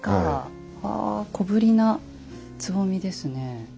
小ぶりなつぼみですね。